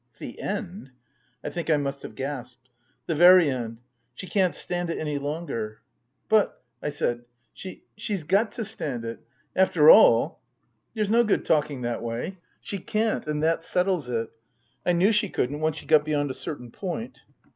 " The end ?" I think I must have gasped. " The very end. She can't stand it any longer." Book II : Her Book 231 "But," I said, " she she's got to stand it. After all "" There's no good talking that way. She can't, and that settles it. I knew she couldn't, once she got beyond a certain point."